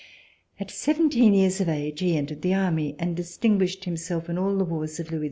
At seventeen years of age he entered the Army and distinguished himself in all the wars of Louis XV.